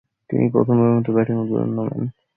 তিনি প্রথমবারের মতো ব্যাটিং উদ্বোধনে নামেন।